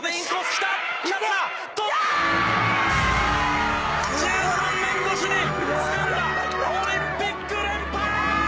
キャッチャー」「１３年越しにつかんだオリンピック連覇！」